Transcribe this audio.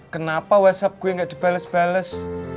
kenapa whatsapp gue gak dibales bales